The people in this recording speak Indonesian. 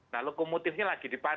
nah lokomotifnya lagi diperlukan